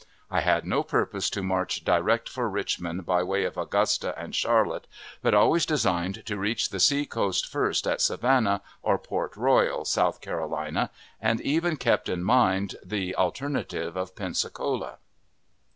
I had no purpose to march direct for Richmond by way of Augusta and Charlotte, but always designed to reach the sea coast first at Savannah or Port Royal, South Carolina, and even kept in mind the alternative of Pensacola.